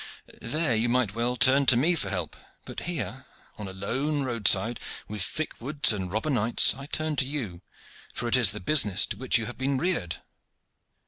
There you might well turn to me for help. But here on a lone roadside, with thick woods and robber knights, I turn to you, for it is the business to which you have been reared."